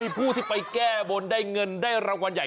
ผู้ที่ไปแก้บนได้เงินได้รางวัลใหญ่